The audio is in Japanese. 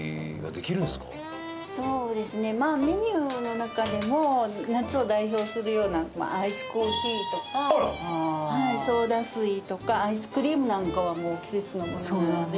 そうですねまあメニューの中でも夏を代表するようなアイスコーヒーとかソーダ水とかアイスクリームなんかはもう季節のものなので。